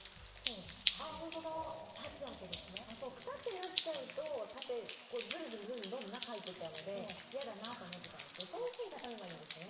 くたってなっちゃうとずるずる、どんどん中に入っていっちゃうので嫌だなと思っていたのでそういうふうに畳めばいいんですね。